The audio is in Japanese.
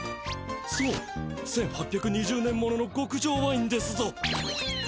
そう１８２０年もののごくじょうワインですぞ。